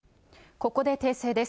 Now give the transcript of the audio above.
ここで訂正です。